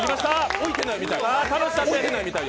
置いてないみたい。